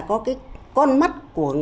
có cái con mắt của